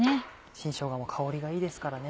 新しょうがも香りがいいですからね。